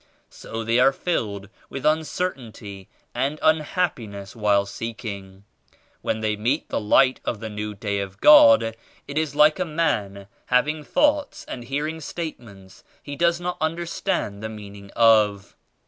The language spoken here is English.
So they are filled with uncertainty and unhappi ness while seeking. When they meet the Light of the New Day of God it is like a man having thoughts and hearing statements he does not un derstand the meaning of.